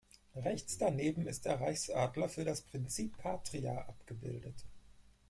Rechts daneben ist der Reichsadler für das Prinzip „patria“ abgebildet.